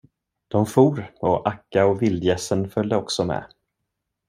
De for, och Akka och vildgässen följde också med.